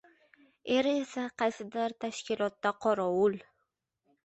Eri esa qaysidir tashkilotda qorovul.